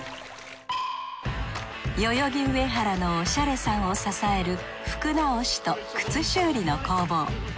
代々木上原のおしゃれさんを支える服直しと靴修理の工房。